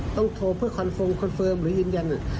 ต้องโทรเพื่อคอนเฟิร์มคอนเฟิร์มหรือยืนยัน